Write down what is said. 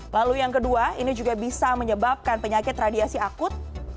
lalu yang kedua ini juga bisa menyebabkan penyakit radiasi akut